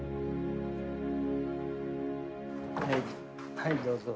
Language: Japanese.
はいどうぞ。